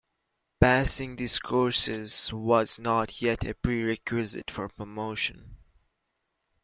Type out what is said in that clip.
Passing these courses was not yet a prerequisite for promotion.